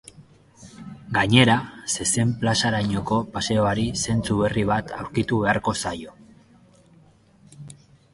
Gainera, zezen-plazarainoko paseoari zentzu berri bat aurkitu beharko zaio.